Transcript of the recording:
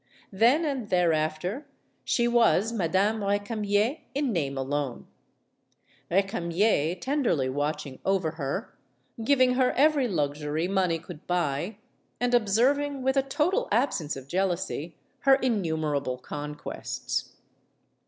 Then and thereafter she was Madame Recamier in name alone; Recamier tenderly watching over her, giving her every luxury money could buy, and observing with a total absence of jealousy her innumerable conquests.